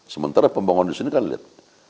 sementara pembangunan di sini kan lihat